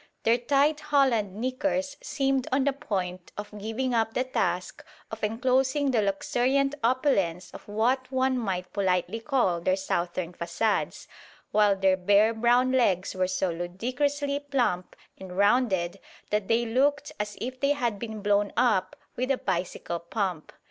Their tight holland knickers seemed on the point of giving up the task of enclosing the luxuriant opulence of what one might politely call their southern façades; while their bare brown legs were so ludicrously plump and rounded that they looked as if they had been blown up with a bicycle pump.